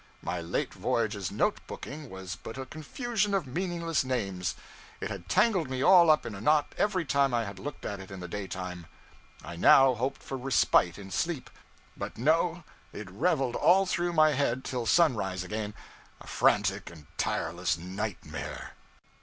My late voyage's note booking was but a confusion of meaningless names. It had tangled me all up in a knot every time I had looked at it in the daytime. I now hoped for respite in sleep; but no, it reveled all through my head till sunrise again, a frantic and tireless nightmare.